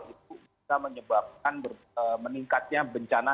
itu bisa menyebabkan meningkatnya bencana